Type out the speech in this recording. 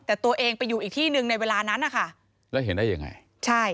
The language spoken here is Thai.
แต่ตัวเองไปอยู่อีกที่หนึ่งในเวลานั้นนะคะแล้วเห็นได้ยังไงใช่